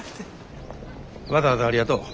わざわざありがとう。